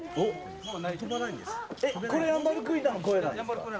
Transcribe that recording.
これヤンバルクイナの小屋なんですか。